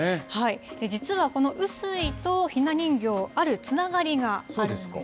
実はこの雨水とひな人形、あるつながりがあるんです。